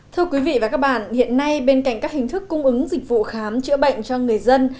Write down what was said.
thưa quý vị và các bạn hiện nay bên cạnh các hình thức cung ứng dịch vụ khám chữa bệnh cho người dân